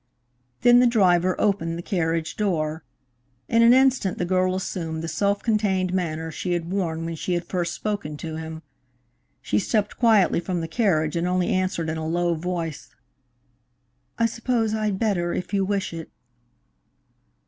Then the driver opened the carriage door. In an instant the girl assumed the self contained manner she had worn when she had first spoken to him. She stepped quietly from the carriage, and only answered in a low voice, "I suppose I'd better, if you wish it."